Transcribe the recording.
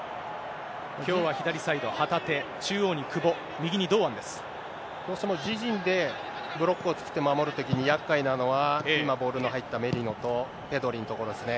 きょうは左サイド、旗手、中央にどうしても自陣でブロックを作って守るときに、やっかいなのは、今、ボールの入ったメリノとペドリのところですね。